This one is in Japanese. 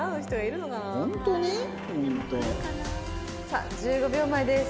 さあ１５秒前です。